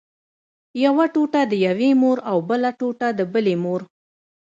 یوه ټوټه د یوې مور او بله ټوټه د بلې مور.